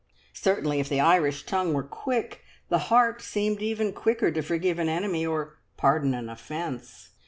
Certainly, if the Irish tongue were quick, the heart seemed even quicker to forgive an enemy, or pardon an offence.